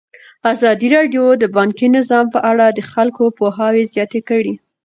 ازادي راډیو د بانکي نظام په اړه د خلکو پوهاوی زیات کړی.